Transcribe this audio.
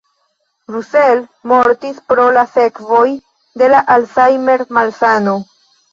Russell mortis pro la sekvoj de la Alzheimer-malsano.